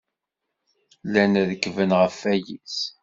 Llan rekkben ɣef wayis.